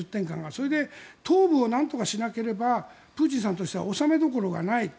それで東部をなんとかしなければプーチンさんとしては収めどころがない。